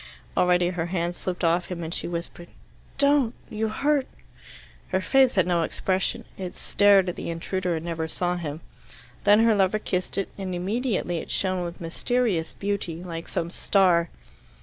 Already her hands slipped off him, and she whispered, "Don't you hurt " Her face had no expression. It stared at the intruder and never saw him. Then her lover kissed it, and immediately it shone with mysterious beauty, like some star.